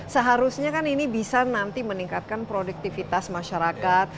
seharusnya kan ini bisa nanti meningkatkan produktivitas masyarakat